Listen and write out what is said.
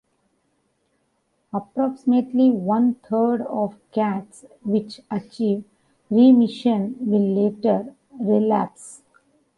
Approximately one third of cats which achieve remission will later relapse.